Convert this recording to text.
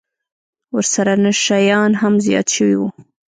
ورسره نشه يان هم زيات سوي وو.